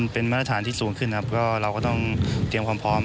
เป็นมาตรฐานที่สูงขึ้นครับก็เราก็ต้องเตรียมความพร้อม